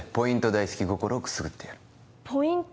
大好き心をくすぐってやるポイント